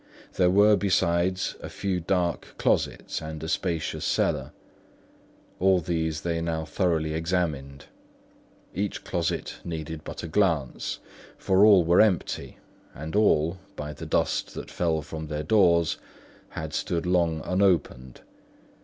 There were besides a few dark closets and a spacious cellar. All these they now thoroughly examined. Each closet needed but a glance, for all were empty, and all, by the dust that fell from their doors, had stood long unopened.